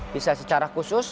bisa secara khusus